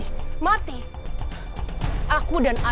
aku dan ayahku sudah mati